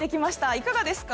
いかがですか？